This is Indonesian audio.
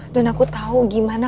dan aku tau gimana